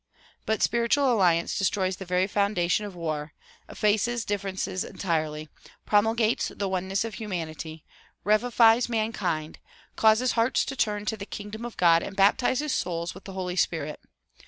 But spiritual alliance destroys the very foundation of war, effaces differences entirely, promulgates the oneness of humanity, revivifies mankind, causes hearts to turn to the kingdom of God and baptizes souls with the Holy Spirit.